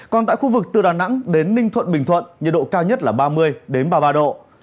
còn tại khu vực từ đà nẵng đến ninh thuận bình thuận nhiệt độ cao nhất là ba mươi ba mươi ba độ